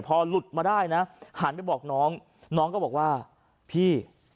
พอหลุดมาได้นะหันไปบอกน้องน้องก็บอกว่าพี่